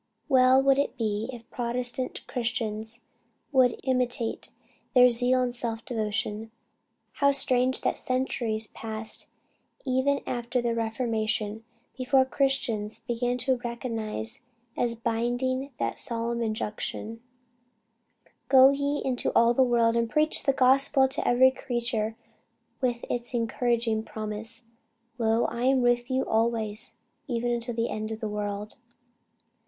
Well would it be if protestant Christians would imitate their zeal and self devotion! How strange that centuries passed, even after the Reformation, before Christians began to recognize as binding that solemn injunction, "Go ye into all the world, and preach the Gospel to every creature, with its encouraging promise, Lo I am with you always even unto the end of the world!"